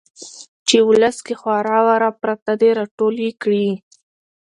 چې ولس کې خواره واره پراته دي را ټول يې کړي.